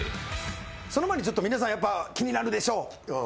その前にちょっと皆さんやっぱ気になるでしょう。